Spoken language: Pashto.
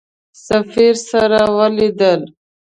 سفیر سره ولیدل.